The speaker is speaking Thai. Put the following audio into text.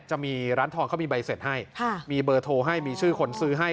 จะมีร้านทองเขามีใบเสร็จให้มีเบอร์โทรให้มีชื่อคนซื้อให้